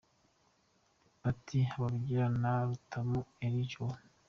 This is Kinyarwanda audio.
Paty Habarugira na Rutamu Elie Joe .